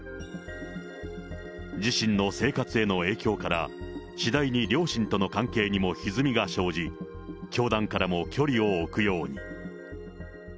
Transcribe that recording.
自身の生活への影響から、次第に両親との関係にもひずみが生じ、教団からも距離を置くように。